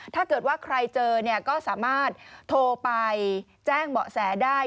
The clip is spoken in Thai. ถ้าเกิดว่าใครเจอเนี่ยก็สามารถโทรไปแจ้งเบาะแสได้